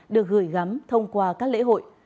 được gửi gắm thông qua các lễ hội